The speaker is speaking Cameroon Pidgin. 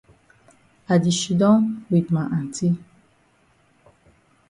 I di shidon wit ma aunty.